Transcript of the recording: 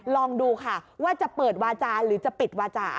ลองดูค่ะว่าจะเปิดวาจาหรือจะปิดวาจา